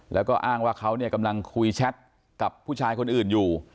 แล้วก็อ้างว่าเขาเนี่ยกำลังคุยแชทกับผู้ชายคนอื่นอยู่